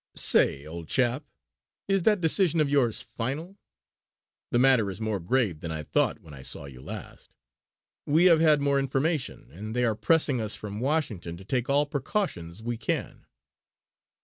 Say, old chap, is that decision of yours final? The matter is more grave than I thought when I saw you last. We have had more information, and they are pressing us from Washington to take all precautions we can.